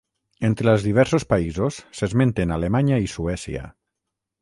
Entre els diversos països, s'esmenten Alemanya i Suècia.